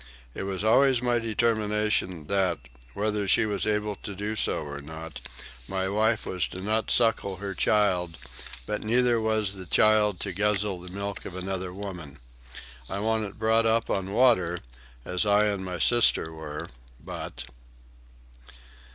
It was always my determination that, whether she was able to do so or not, my wife was not to suckle her child; but neither was the child to guzzle the milk of another woman. I want it brought up on water as I and my sister were, but..."